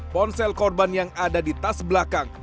ponsel korban yang ada di tas belakang